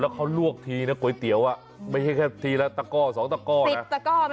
แล้วเขารวกทีนะโกยเตี๋ยวไม่แค่ทีแล้วตะโก้๒ตะโก้